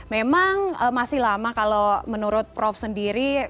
memang masih lama kalau menurut prof sendiri